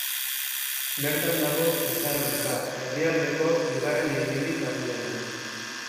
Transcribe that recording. Bertan dago Tesalonika, herrialdeko bigarren hiririk handiena.